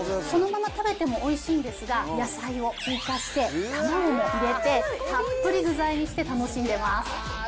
そのまま食べてもおいしいんですが、野菜を追加して、卵も入れて、たっぷり具材にして楽しんでます。